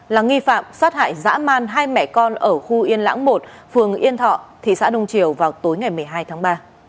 là nghi phạm sát hại dã man hai mẹ con ở khu yên lãng một phường yên thọ thị xã đông triều vào tối ngày một mươi hai tháng ba